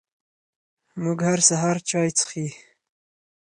موږ هر سهار چای څښي🥃